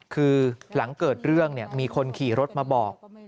คือหลังเกิดเรื่องมีคนขี่รถมาบอก